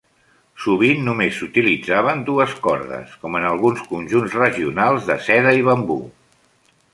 Sovint només s'utilitzaven dues cordes, com en alguns conjunts regionals de seda i bambú.